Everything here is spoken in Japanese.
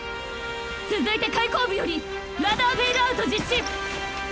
続いて開口部よりラダーベイルアウト実施！！